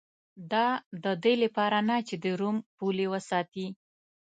دا د دې لپاره نه چې د روم پولې وساتي